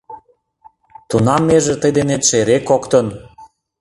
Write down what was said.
Тунам меже тый денетше эре коктын